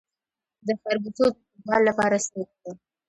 د خربوزو د خوږوالي لپاره څه وکړم؟